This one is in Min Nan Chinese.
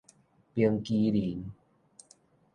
冰麒麟